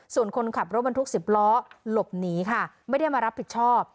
ส่วนคนขับรถบรรทุก๑๐ล้อหลบหนีค่ะไม่ได้มารับผิดชอบ